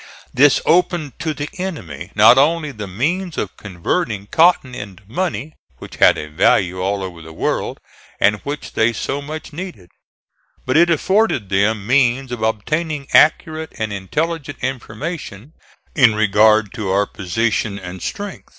This opened to the enemy not only the means of converting cotton into money, which had a value all over the world and which they so much needed, but it afforded them means of obtaining accurate and intelligent information in regard to our position and strength.